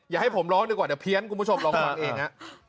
อย่าให้ผมร้องดีกว่าเดี๋ยวเพี้ยนคุณผู้ชมร้องร้องเอง